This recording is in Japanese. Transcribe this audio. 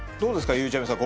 ゆうちゃみさん